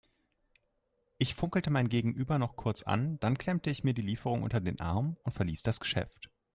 Ich funkelte mein Gegenüber noch kurz an, dann klemmte ich mir die Lieferung unter den Arm und verließ das Geschäft.